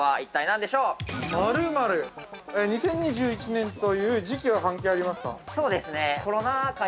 ２０２１年という時期は関係ありますか。